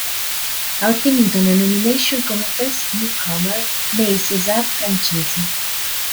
Ha ottenuto una nomination come Best Newcomer nei César francesi.